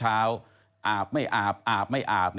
อาบไม่อาบอาบไม่อาบ